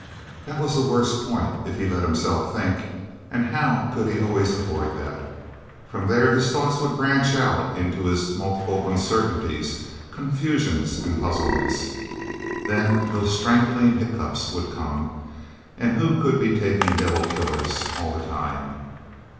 That was the worst point, if he let himself think. And how could he always avoid that? From there his thoughts would branch out into his multiple uncertainties, confusions and puzzlements. Then those strangling hiccups would come. And who could be taking devil killers all the time?